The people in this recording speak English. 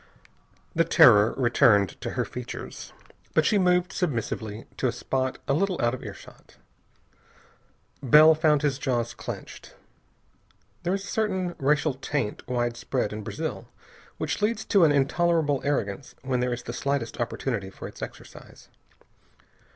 The terror returned to her features, but she moved submissively to a spot a little out of earshot. Bell found his jaws clenched. There is a certain racial taint widespread in Brazil which leads to an intolerable arrogance when there is the slightest opportunity for its exercise.